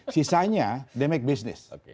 sisanya mereka melakukan bisnis